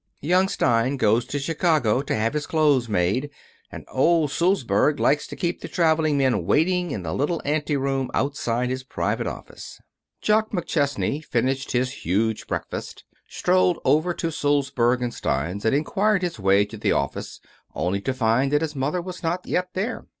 Young Stein goes to Chicago to have his clothes made, and old Sulzberg likes to keep the traveling men waiting in the little ante room outside his private office. Jock McChesney finished his huge breakfast, strolled over to Sulzberg & Stein's, and inquired his way to the office only to find that his mother was not yet there.